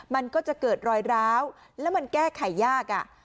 มันก็จะเกิดรอยร้าวแล้วมันแก้ไขยากอ่ะ